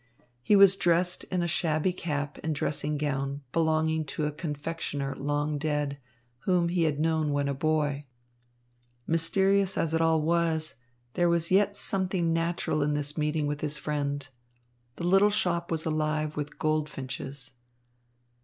He was dressed in a shabby cap and dressing gown belonging to a confectioner long dead, whom he had known when a boy. Mysterious as it all was, there was yet something natural in this meeting with his friend. The little shop was alive with goldfinches.